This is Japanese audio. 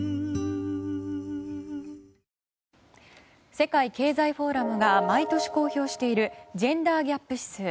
世界経済フォーラムが毎年公表しているジェンダーギャップ指数。